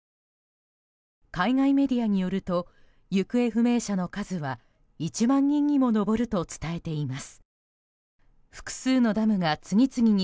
海外メディアによると行方不明者の数は１万人にも上ると伝えています。